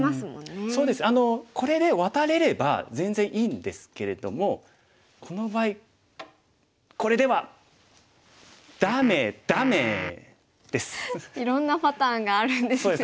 これでワタれれば全然いいんですけれどもこの場合これではいろんなパターンがあるんですね。